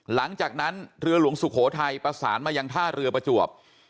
หลังจากนั้นเรือหลวงสุโขทัยประสานมายังท่าเรือประจวบ